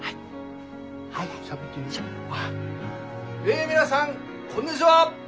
え皆さんこんにぢは！